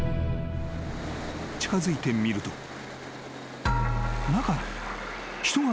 ［近づいてみると］